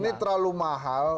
ini terlalu mahal